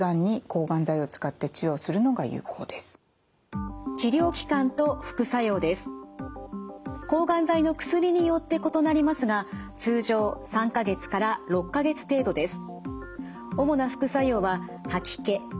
抗がん剤の薬によって異なりますが通常３か月から６か月程度です。